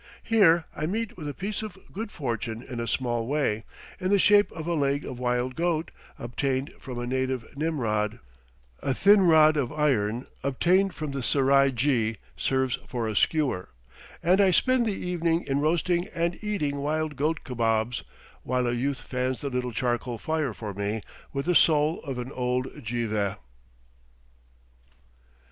Here I meet with a piece of good fortune in a small way, in the shape of a leg of wild goat, obtained from a native Nimrod; a thin rod of iron, obtained from the serai jee, serves for a skewer, and I spend the evening in roasting and eating wild goat kabobs, while a youth fans the little charcoal fire for me with the sole of an old geiveh.